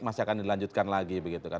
masih akan dilanjutkan lagi begitu kan